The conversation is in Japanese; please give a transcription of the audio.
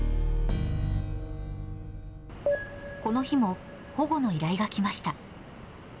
この日も、保護の依頼が来ました。